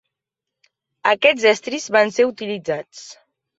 Aquests estris van ser utilitzats.